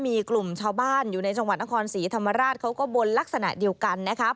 มีกลุ่มชาวบ้านอยู่ในจังหวัดนครศรีธรรมราชเขาก็บนลักษณะเดียวกันนะครับ